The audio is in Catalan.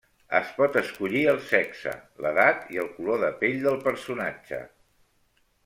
Es pot escollir el sexe, l'edat i el color de pell del personatge.